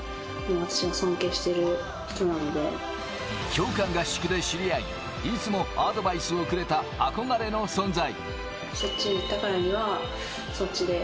強化合宿で知り合い、いつもアドバイスをくれた憧れの存在。